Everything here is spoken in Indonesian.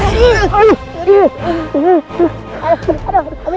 kalian baik baik saja